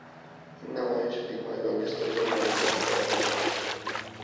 این نمایش فیلمهای گانگستری را مورد طنز قرار میدهد.